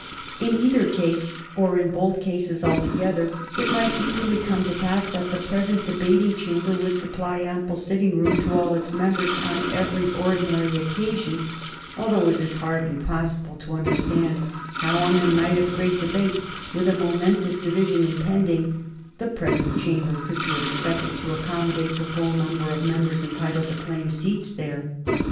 In either case, or in both cases together, it might easily come to pass that the present debating chamber would supply ample sitting room to all its members on every ordinary occasion, although it is hardly possible to understand how, on a night of great debate, with a momentous division impending, the present chamber could be expected to accommodate the full number of members entitled to claim seats there.